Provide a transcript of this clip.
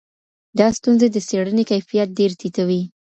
دا ستونزي د څېړني کیفیت ډېر ټیټوي.